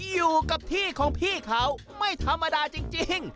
อยู่กับที่ของพี่เขาไม่ธรรมดาจริง